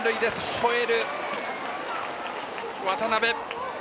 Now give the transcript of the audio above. ほえる渡邉！